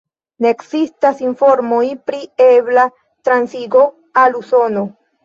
Ne ekzistas informoj pri ebla transigo al Usono.